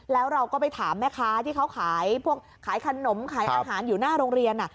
แล้วเราก็ไปถามแม่ค้าที่เขาขายพวกขายขนมขายอาหารอยู่หน้าโรงเรียน